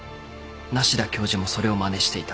梨多教授もそれをまねしていた。